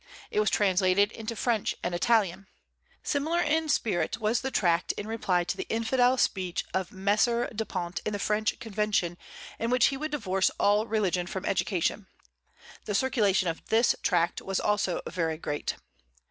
It was translated into French and Italian. Similar in spirit was the tract in reply to the infidel speech of M. Dupont in the French Convention, in which he would divorce all religion from education. The circulation of this tract was also very great.